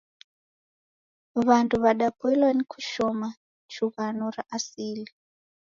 Wandu wadapoilwa ni kushoma chughano ra asili.